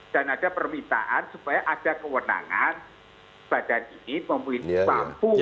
dan ada permintaan supaya ada kewenangan badan ini memiliki bambu